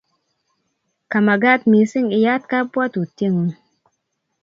Kamagat mising iyat kabuatutietngung'